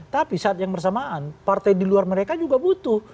tapi saat yang bersamaan partai di luar mereka juga butuh